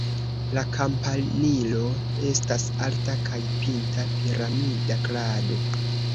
La kampanilo estas alta kaj pinta piramida krado.